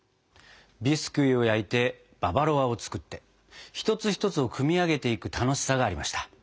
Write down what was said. ビスキュイを焼いてババロアを作って一つ一つを組み上げていく楽しさがありました。